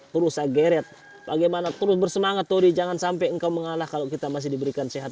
terus saya geret bagaimana terus bersemangat tori jangan sampai engkau mengalah kalau kita masih diberikan sehat